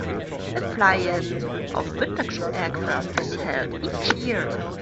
A fly-in of vintage aircraft is held each year.